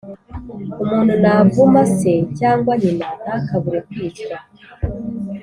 Umuntu navuma se cyangwa nyina ntakabure kwicwa